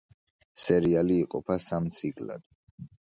სერიალი იყოფა სამ ციკლად.